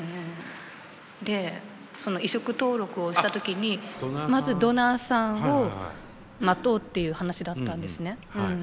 でその移植登録をした時にまずドナーさんを待とうっていう話だったんですね。